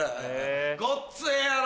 ごっつええやろ？